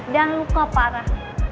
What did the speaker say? dan luka parah